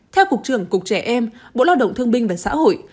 theo cục trưởng cục trẻ em bộ lao động thương binh và xã hội